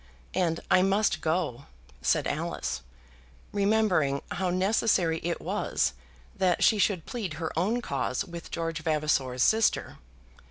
"And I must go," said Alice, remembering how necessary it was that she should plead her own cause with George Vavasor's sister.